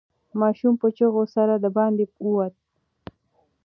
ماشوم په چیغو سره د باندې ووت.